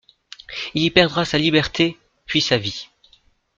Il y perdra sa liberté, puis sa vie.